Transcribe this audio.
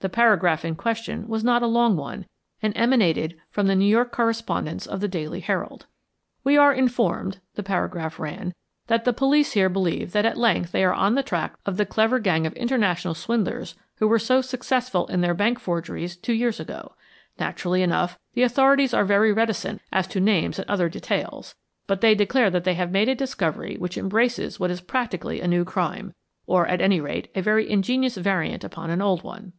The paragraph in question was not a long one, and emanated from the New York correspondent of the Daily Herald. "We are informed," the paragraph ran, "that the police here believe that at length they are on the track of the clever gang of international swindlers who were so successful in their bank forgeries two years ago. Naturally enough, the authorities are very reticent as to names and other details, but they declare that they have made a discovery which embraces what is practically a new crime, or, at any rate, a very ingenious variant upon an old one.